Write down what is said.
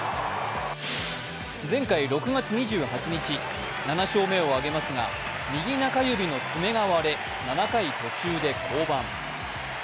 前回６月２８日、７勝目を挙げますが右中指の爪が割れ、７回途中で降板。